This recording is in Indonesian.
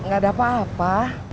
gak ada apa apa